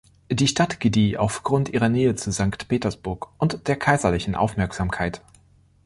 Die Stadt gedieh aufgrund ihrer Nähe zu Sankt Petersburg und der kaiserlichen Aufmerksamkeit.